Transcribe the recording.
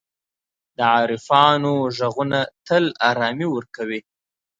د عارفانو ږغونه تل آرامي ورکوي.